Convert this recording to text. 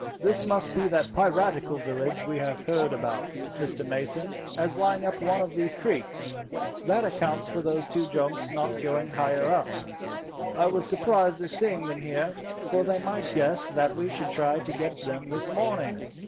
This must be that piratical village we have heard about, Mr. Mason, as lying up one of these creeks; that accounts for those two junks not going higher up. I was surprised at seeing them here, for they might guess that we should try to get them this morning.